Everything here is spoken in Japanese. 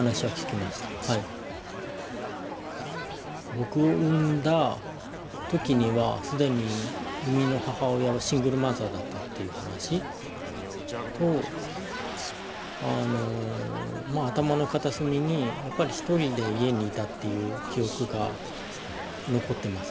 僕を産んだ時には既に生みの母親はシングルマザーだったっていう話とあのまあ頭の片隅にやっぱり一人で家にいたっていう記憶が残ってますね。